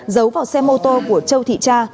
giấu vào xe mô tô của châu thị cha